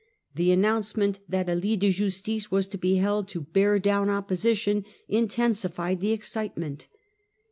The announcement that a lit de justice was to be held to bear down opposition intensified the excitement.